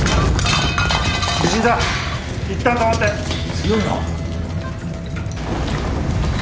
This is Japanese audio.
強いな。